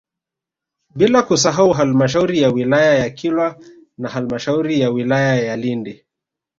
Bila kusahau Halmashauri ya wilaya ya Kilwa na halmashauri ya wilaya ya Lindi